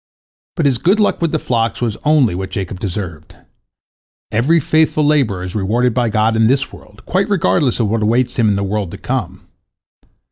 But his good luck with the flocks was only what Jacob deserved. Every faithful laborer is rewarded by God in this world, quite regardless of what awaits him in the world to come.